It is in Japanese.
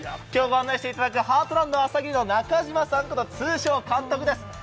今日、ご案内していただくハートランド朝霧の中島さんこと、通称・監督です。